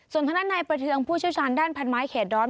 ส่วนทางด้านนายประเทืองผู้เชี่ยวชาญด้านพันไม้เขตร้อน